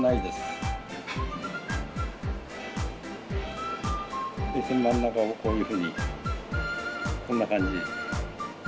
で真ん中がこういうふうにこんな感じ。